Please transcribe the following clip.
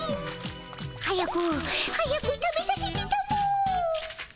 早く早く食べさせてたも。